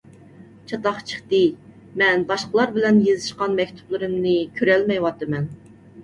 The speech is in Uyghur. چاتاق چىقتى. مەن باشقىلار بىلەن يېزىشقان مەكتۇپلىرىمنى كۆرەلمەيۋاتىمەن.